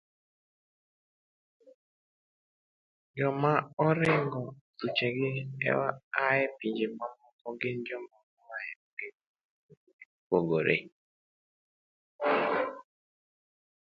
Joma oringo thuchegi a e pinje mamoko gin joma oa e ogendni mopogore opogore.